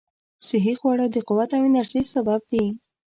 صحي خواړه د قوت او انرژۍ سبب دي.